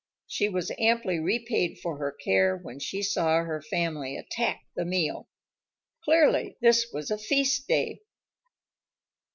She was amply repaid for her care when she saw her family attack the meal. Clearly this was a feast day.